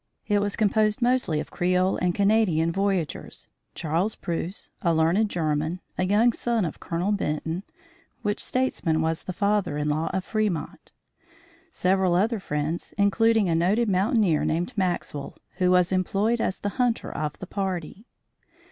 It was composed mostly of Creole and Canadian voyageurs, Charles Preuss, a learned German, a young son of Colonel Benton (which statesman was the father in law of Fremont), several other friends, including a noted mountaineer named Maxwell, who was employed as the hunter of the party.